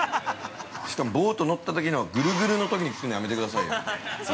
しかも、ボート乗ったときにはぐるぐるのときに聞くのやめてくださいよ。